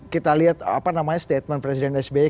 kita lihat apa namanya statement presiden sby